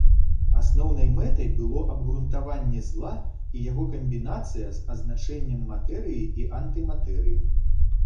Асноўнай мэтай было абгрунтаванне зла і яго камбінацыя з азначэннем матэрыі і антыматэрыі.